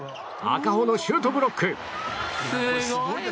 赤穂のシュートブロック！